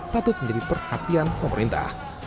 patut menjadi perhatian pemerintah